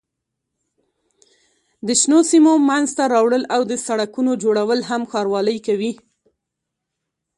د شنو سیمو منځته راوړل او د سړکونو جوړول هم ښاروالۍ کوي.